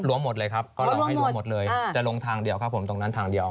รวมหมดเลยครับรวมหมดรวมหมดเลยอ่าจะลงทางเดียวครับผมตรงนั้นทางเดียว